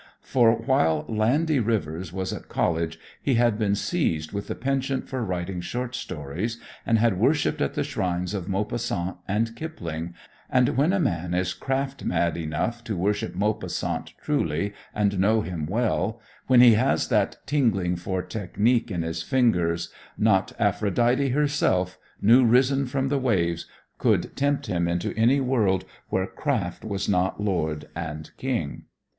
For while "Landy Rivers" was at college he had been seized with the penchant for writing short stories, and had worshiped at the shrines of Maupassant and Kipling, and when a man is craft mad enough to worship Maupassant truly and know him well, when he has that tingling for technique in his fingers, not Aphrodite herself, new risen from the waves, could tempt him into any world where craft was not lord and king.